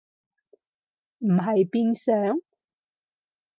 唔係變上？